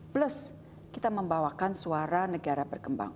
plus kita membawakan suara negara berkembang